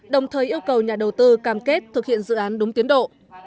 đồng thời yêu cầu nhà đầu tư cam kết thực hiện dự án đúng tiến độ